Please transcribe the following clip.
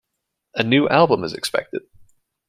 A new album is expected.